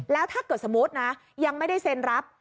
แล้วถ้าเกิดสมมุตินะยังไม่ได้เซ็นรับ